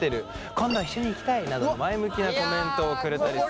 「今度一緒に行きたい！」などの前向きなコメントをくれたりする。